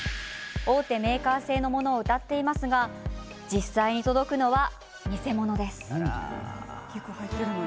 大手のメーカー製をうたっていますが実際に届くのは偽物です。